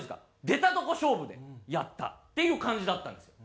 出たとこ勝負でやったっていう感じだったんですよ。